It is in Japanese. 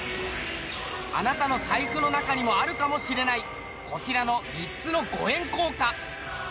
あなたの財布の中にもあるかもしれないこちらの３つの５円硬貨。